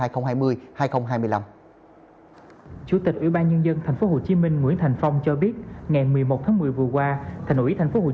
chủ tịch ủy ban nhân dân tp hcm nguyễn thành phong cho biết ngày một mươi một tháng một mươi vừa qua